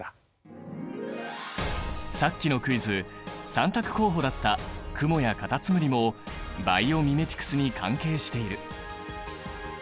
さっきのクイズ３択候補だったクモやカタツムリもバイオミメティクスに関係している。